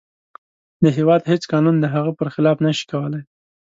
د هیواد هیڅ قانون د هغه پر خلاف نشي کولی.